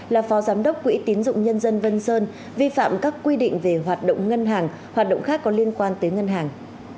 là phó giám đốc quỹ tín dụng nhân dân vân sơn vi phạm các quy định về hoạt động ngân hàng hoạt động khác có liên quan tới ngân hàng